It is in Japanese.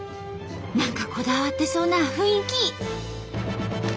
何かこだわってそうな雰囲気。